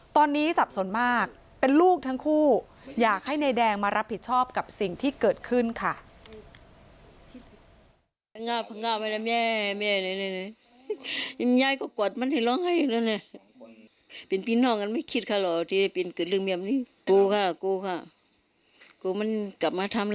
ตอนนี้สับสนมากเป็นลูกทั้งคู่อยากให้นายแดงมารับผิดชอบกับสิ่งที่เกิดขึ้นค่ะ